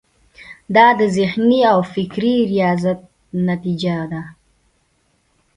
دا د ذهني او فکري ریاضت نتیجه ده.